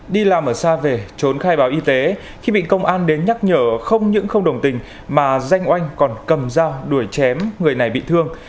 đi làm ở xa về trốn khai báo y tế khi bị công an đến nhắc nhở không những không đồng tình mà danh oanh còn cầm dao đuổi chém người này bị thương